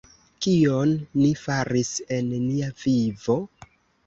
Kion ni faris en nia vivo?